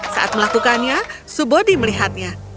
saat melakukannya subodhi melihatnya